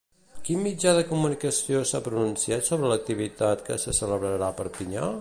Quin mitjà de comunicació s'ha pronunciat sobre l'activitat que se celebrarà a Perpinyà?